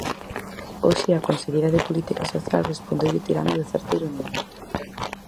Hoxe, a Conselleira de Política Social respondeulle tirando de certa ironía.